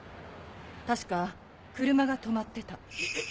確か車が停まってた。